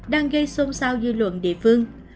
đang gây xôn xao dư luận địa phương